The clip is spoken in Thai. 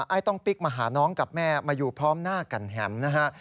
ไอ้ต้องปิ๊กมาหาน้องกับแม่มาอยู่พร้อมหน้ากันแหม่มนะฮะ